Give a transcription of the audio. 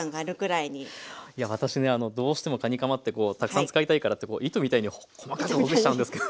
いや私ねどうしてもかにかまってこうたくさん使いたいからって糸みたいに細かくほぐしちゃうんですけど。